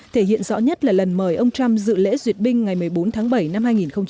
thể hiện rõ nhất là lần mời ông trump dự lễ duyệt binh ngày một mươi bốn tháng bảy năm hai nghìn hai mươi